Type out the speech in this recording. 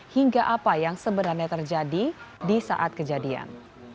hingga apa yang sebenarnya terjadi di saat kejadian